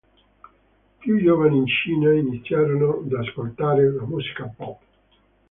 Più giovani in Cina iniziarono ad ascoltare la musica pop.